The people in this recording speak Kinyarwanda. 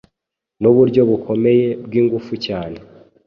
Nuburyo bukomeye bwingufu cyane